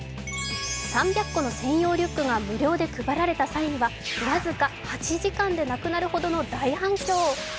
３００個の専用リュックが無料で配られた際には僅か８時間でなくなるほどの大反響